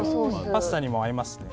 パスタにも合いますか？